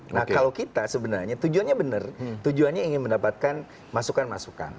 nah kalau kita sebenarnya tujuannya benar tujuannya ingin mendapatkan masukan masukan